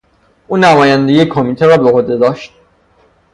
او نمایندگی کمیته را به عهده دارد.